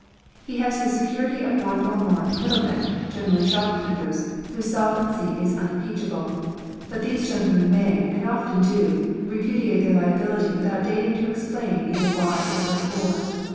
He has the security of one or more "middlemen," generally shopkeepers whose solvency is unimpeachable ; but these gentlemen may, and often do, repudiate their liability without deign ing to explain either why or wherefore.